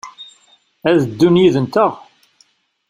A ddun yid-nteɣ?